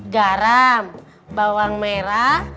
garam bawang merah